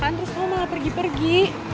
kamu kesulitan terus malah pergi pergi